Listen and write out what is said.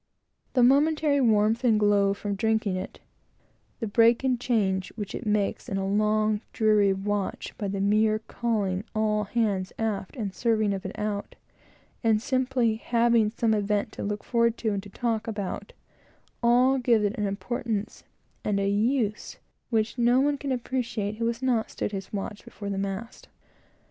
The momentary warmth and glow from drinking it; the break and change which is made in a long, dreary watch by the mere calling all hands aft and serving of it out; and the simply having some event to look forward to, and to talk about; give it an importance and a use which no one can appreciate who has not stood his watch before the mast.